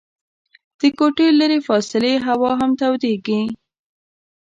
د کوټې لیري فاصلې هوا هم تودیږي.